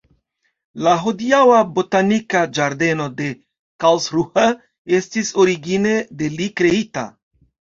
La hodiaŭa botanika ĝardeno de Karlsruhe estis origine de li kreita.